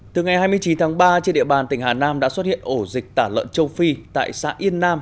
từ ngày hai mươi chín tháng ba trên địa bàn tỉnh hà nam đã xuất hiện ổ dịch tả lợn châu phi tại xã yên nam